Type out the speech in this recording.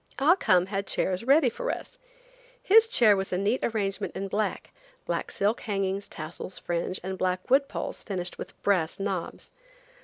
Ah Cum had chairs ready for us. His chair was a neat arrangement in black, black silk hangings, tassels, fringe and black wood poles finished with brass knobs.